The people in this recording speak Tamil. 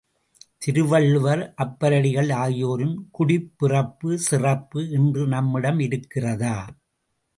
திருவள்ளுவர், அப்பரடிகள் ஆகியோரின் குடிப்பிறப்பு சிறப்பு இன்று நம்மிடம் இருக்கிறதா?